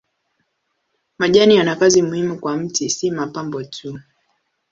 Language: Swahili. Majani yana kazi muhimu kwa mti si mapambo tu.